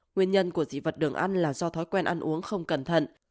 nguyên nhân của dị vật đường ăn là do thói quen ăn uống không cẩn thận